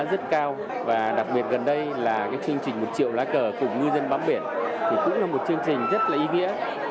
rất cao và đặc biệt gần đây là chương trình một triệu lá cờ cùng ngư dân bám biển thì cũng là một chương trình rất là ý nghĩa